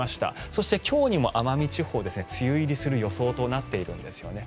そして、今日にも奄美地方梅雨入りする予想となっているんですね。